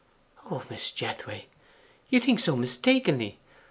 'O Mrs. Jethway, you do think so mistakenly!